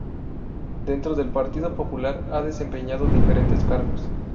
Dentro del Partido Popular ha desempeñado diferentes cargos.